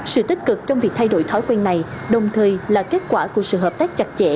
sự tích cực trong việc thay đổi thói quen này đồng thời là kết quả của sự hợp tác chặt chẽ